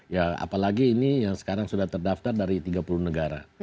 ya apalagi ini yang sekarang sudah terdaftar dari tiga puluh negara